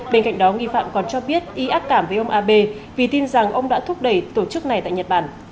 bên cạnh đó nghi phạm còn cho biết y áp cảm với ông abe vì tin rằng ông đã thúc đẩy tổ chức này tại nhật bản